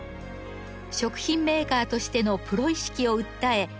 食品メーカーとしてのプロ意識を訴え